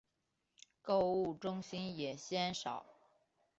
购物中心也鲜少。